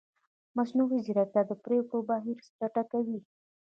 مصنوعي ځیرکتیا د پرېکړو بهیر چټکوي.